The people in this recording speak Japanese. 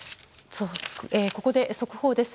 ここで速報です。